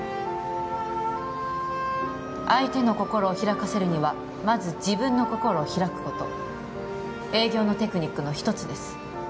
相手の心を開かせるにはまず自分の心を開くこと営業のテクニックの一つです